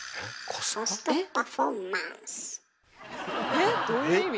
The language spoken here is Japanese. えっどういう意味？